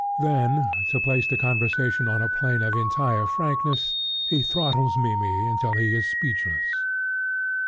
Then, to place the conversation on a plane of entire frankness, he throttles Mimmy until he is speechless.